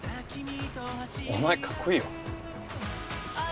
お前かっこいいよ。